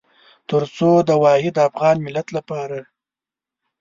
تر څو د واحد افغان ملت لپاره.